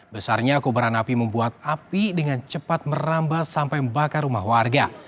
besarnya kobaran api membuat api dengan cepat merambat sampai membakar rumah warga